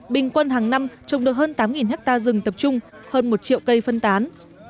bình quân hàng năm trồng được hơn tám hectare rừng tập trung hơn một triệu cây phân tán